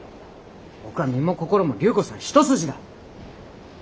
僕は身も心も隆子さん一筋だ！